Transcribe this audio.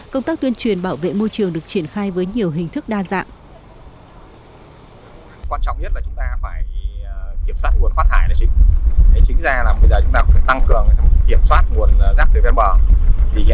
công tác tuyên truyền bảo vệ môi trường được triển khai với nhiều hình thức đa dạng